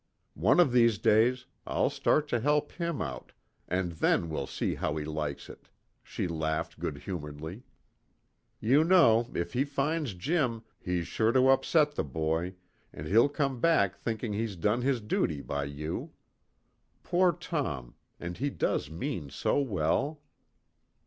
One of these days I'll start to help him out, and then we'll see how he likes it," she laughed good humoredly. "You know, if he finds Jim he's sure to upset the boy, and he'll come back thinking he's done his duty by you. Poor Tom, and he does mean so well."